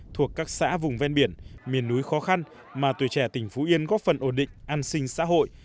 thuộc các xã vùng ven biển miền núi khó khăn mà tuổi trẻ tỉnh phú yên góp phần ổn định an sinh xã hội